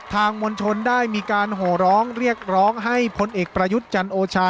มวลชนได้มีการโหร้องเรียกร้องให้พลเอกประยุทธ์จันโอชา